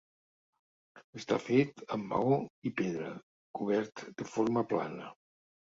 Està fet amb maó i pedra, cobert de forma plana.